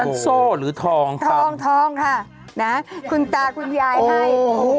ตั้งโซ่หรือทองครับทองค่ะคุณตาคุณยายให้